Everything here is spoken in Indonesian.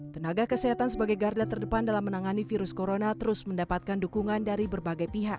tenaga kesehatan sebagai garda terdepan dalam menangani virus corona terus mendapatkan dukungan dari berbagai pihak